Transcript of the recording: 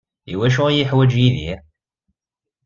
I wacu iyi-yuḥwaǧ Yidir?